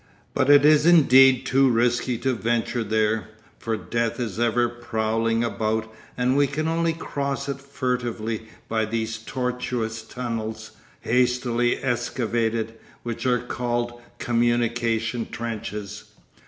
But it is indeed too risky to venture there, for death is ever prowling about and we can only cross it furtively by these tortuous tunnels, hastily excavated, which are called communication trenches.